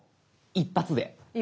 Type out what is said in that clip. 一発で。